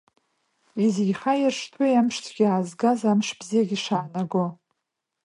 Изихаиршҭуеи амшцәгьа аазгаз амш бзиагьы шаанаго!